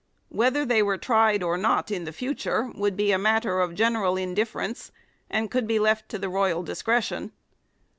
Whether they were tried or not in the future would be a matter of general indifference and could be left to the royal discretion.